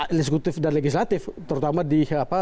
eksekutif dan legislatif terutama di